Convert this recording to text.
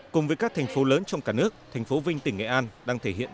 cùng với các thành phố lớn trong cả nước thành phố vinh tỉnh nghệ an đang thể hiện